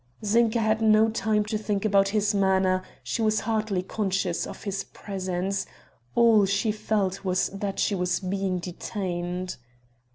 Zinka had no time to think about his manner, she was hardly conscious of his presence all she felt was that she was being detained.